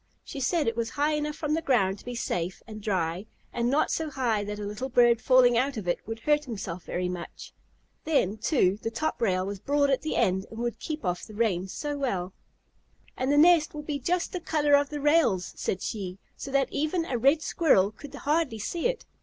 She said it was high enough from the ground to be safe and dry, and not so high that a little bird falling out of it would hurt himself very much. Then, too, the top rail was broad at the end and would keep the rain off so well. "And the nest will be just the color of the rails," said she, "so that even a Red Squirrel could hardly see it."